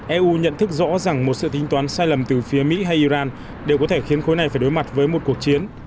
eu nhận thức rõ rằng một sự tính toán sai lầm từ phía mỹ hay iran đều có thể khiến khối này phải đối mặt với một cuộc chiến